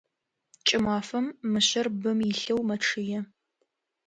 Кӏымафэм мышъэр бым илъэу мэчъые.